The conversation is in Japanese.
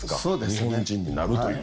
日本人になるという。